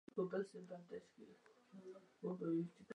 شوپرک چې له کوټې ووت، پر آسمان باندې مې د لټون څراغونه ولیدل.